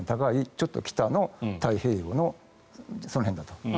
ちょっと北の太平洋のその辺だと。